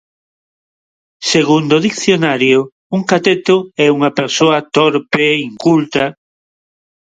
Segundo o dicionario, un cateto é unha persoa, torpe, inculta...